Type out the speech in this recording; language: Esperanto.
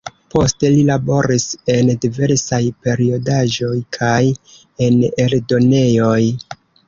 Poste li laboris en diversaj periodaĵoj, kaj en eldonejoj.